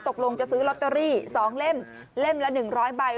ตกลงจะซื้อลอตเตอรี่๒เล่มเล่มละ๑๐๐ใบ